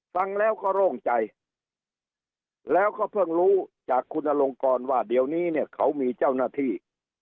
ฟังแล้วก็โล่งใจแล้วก็เพิ่งรู้จากคุณอลงกรว่าเดี๋ยวนี้เนี่ยเขามีเจ้าหน้าที่